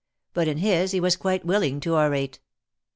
But in his he was quite willing to orate.